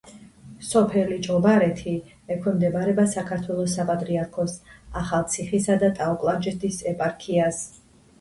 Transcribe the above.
სოფელი ჭობარეთი ექვემდებარება საქართველოს საპატრიარქოს ახალციხისა და ტაო-კლარჯეთის ეპარქიას.